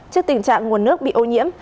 trước tình trạng nguồn nước bị ô nhiễm